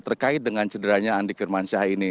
terkait dengan cederanya andi firmansyah ini